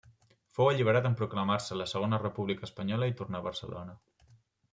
Fou alliberat en proclamar-se la Segona República Espanyola i tornà a Barcelona.